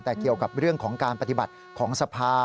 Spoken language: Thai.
แต่เกี่ยวกับเรื่องของการปฏิบัติของสภา